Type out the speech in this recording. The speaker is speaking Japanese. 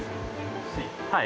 はい。